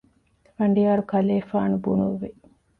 ފަނޑިޔާރު ކަލޭފާނު ބުނުއްވި